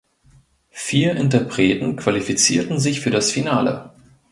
Vier Interpreten qualifizierten sich für das Finale.